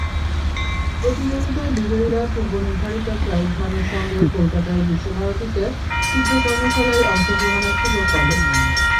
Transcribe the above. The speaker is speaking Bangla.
প্রতিযোগিতায় বিজয়ীরা পূর্বনির্ধারিত প্রাইজ মানির সঙ্গে কলকাতায় রবীন্দ্রভারতীতে চিত্রকর্মশালায় অংশগ্রহণের সুযোগ পাবেন।